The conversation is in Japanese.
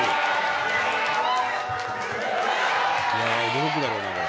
驚くだろうなこれ。